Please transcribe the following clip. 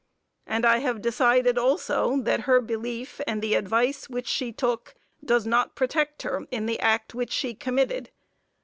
And I have decided also that her belief and the advice which she took does not protect her in the act which she committed.